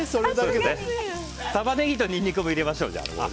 タマネギとニンニクも入れましょう。